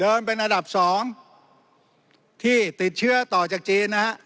เป็นอันดับ๒ที่ติดเชื้อต่อจากจีนนะฮะ